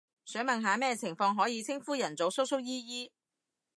想問下咩情況可以稱呼人做叔叔姨姨？